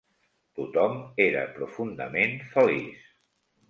Tothom era profundament feliç